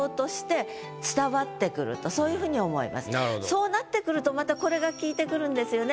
そうなってくるとまたこれが効いてくるんですよね。